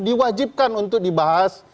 diwajibkan untuk dibahas